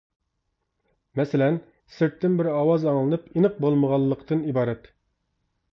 مەسىلەن: سىرتتىن بىر ئاۋاز ئاڭلىنىپ، ئېنىق بولمىغانلىقتىن ئىبارەت.